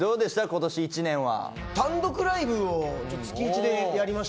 今年１年は。